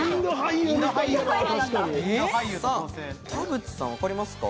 田渕さん分かりますか？